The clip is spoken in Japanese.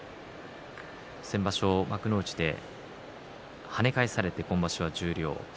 先場所、幕内で跳ね返されて今場所は十両。